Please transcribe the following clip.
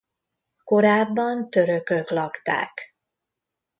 Korábban törökök lakták.